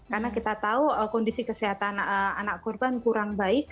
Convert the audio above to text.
karena kita tahu kondisi kesehatan anak korban kurang baik